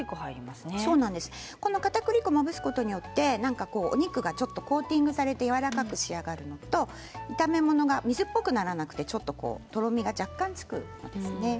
この、かたくり粉をまぶすことによってお肉がちょっとコーティングされてやわらかく仕上がるのと炒め物が水っぽくならなくてちょっととろみが若干つくんですね。